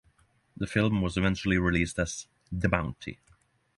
The film was eventually released as "The Bounty".